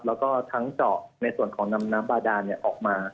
แล้วก็ทั้งเจาะในส่วนของนำน้ำบาดานออกมา